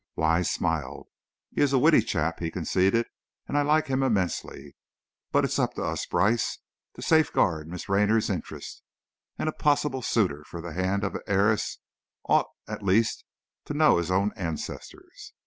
Wise smiled: "He is a witty chap," he conceded, "and I like him immensely. But it's up to us, Brice, to safeguard Miss Raynor's interests, and a possible suitor for the hand of an heiress ought, at least, to know his own ancestors!